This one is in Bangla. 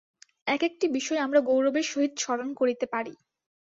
এক একটি বিষয় আমরা গৌরবের সহিত স্মরণ করিতে পারি।